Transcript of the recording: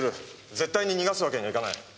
絶対に逃がすわけにはいかない。